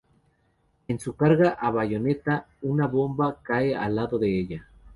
En su carga a bayoneta una bomba cae al lado de ella.